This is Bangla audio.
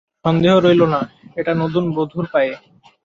সন্দেহ রইল না, এটা নতুন বধূর পয়ে।